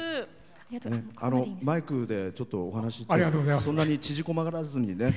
マイクでちょっとお話ししてそんなに縮こまらずに。